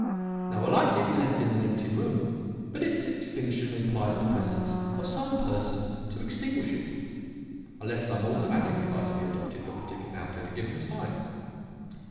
Now a light may be left in an empty room, but its extinction implies the presence of some person to extinguish it; unless some automatic device be adopted for putting it out at a given time.